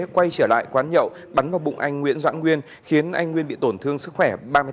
quay trở lại quán nhậu bắn vào bụng anh nguyễn doãn nguyên khiến anh nguyên bị tổn thương sức khỏe ba mươi bốn